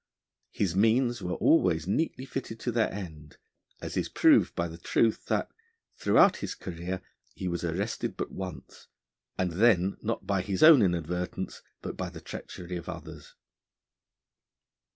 His means were always neatly fitted to their end, as is proved by the truth that, throughout his career, he was arrested but once, and then not by his own inadvertence but by the treachery of others.